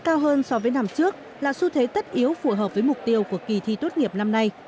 cao hơn so với năm trước là xu thế tất yếu phù hợp với mục tiêu của kỳ thi tốt nghiệp năm nay